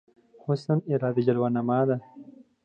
حسن اراده جلوه نما ده